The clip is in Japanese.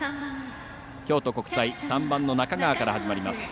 京都国際、３番の中川から始まります。